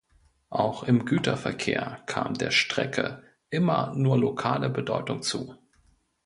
Auch im Güterverkehr kam der Strecke immer nur lokale Bedeutung zu.